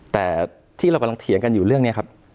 แต่ที่เรากำลังเถียงกันอยู่เรื่องนี้ครับ